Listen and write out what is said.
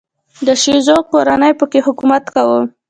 د شیزو کورنۍ په کې حکومت کاوه.